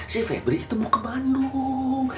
si febri itu mau ke bandung